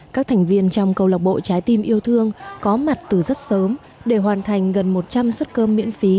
các thành viên trong câu lạc bộ trái tim yêu thương có mặt từ rất sớm để hoàn thành gần một trăm linh suất cơm miễn phí